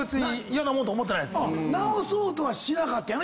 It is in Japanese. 直そうとはしなかったんやね